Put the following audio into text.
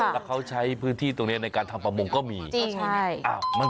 แต่เขาใช้พื้นที่ตรงนี้ในการทำปลาโมงเขาก็มีจริง